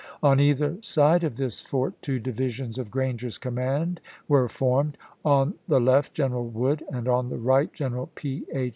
On either side of this fort two divisions of Granger's command were formed ; on the left General Wood, and on the right General P. H.